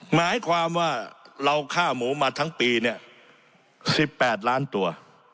หมายความว่าเราฆ่าหมูมาทั้งปีเนี่ย๑๘ล้านตัว